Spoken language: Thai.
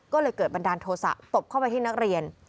ก็เลยเกิดบันดาลโทษะตบเข้าไปที่นักเรียน